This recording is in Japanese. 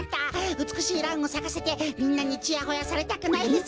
うつくしいランをさかせてみんなにちやほやされたくないですか？